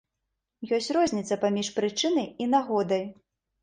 Ёсць розніца паміж прычынай і нагодай.